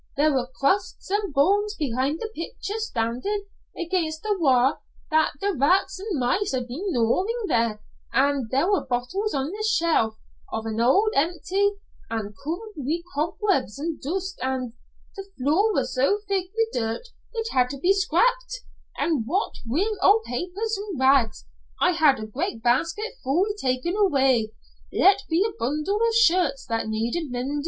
There were crusts an' bones behind the pictures standin' against the wa' that the rats an' mice had been gnawin' there, an' there were bottles on a shelf, old an' empty an' covered wi' cobwebs an' dust, an' the floor was so thick wi' dirt it had to be scrapit, an' what wi' old papers an' rags I had a great basket full taken awa let be a bundle o' shirts that needed mendin'.